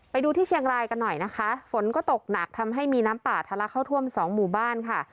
ไปดูที่เชียงรายกันหน่อยนะคะฝนก็ตกหนักทำให้มีน้ำป่าทะลักเข้าท่วมสองหมู่บ้านค่ะ